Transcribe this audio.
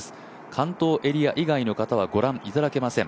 関東エリア以外の方はご覧いただけません。